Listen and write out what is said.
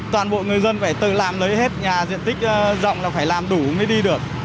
toàn bộ người dân phải tự làm lấy hết nhà diện tích rộng là phải làm đủ mới đi được